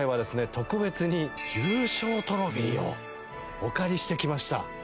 特別に優勝トロフィーをお借りしてきました。